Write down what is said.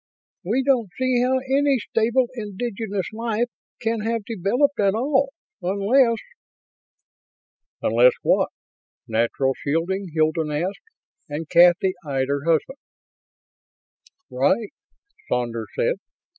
"We don't see how any stable indigenous life can have developed at all, unless ..." "Unless what? Natural shielding?" Hilton asked, and Kathy eyed her husband. "Right," Saunders said.